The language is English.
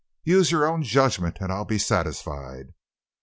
Use your own judgment, and I'll be satisfied.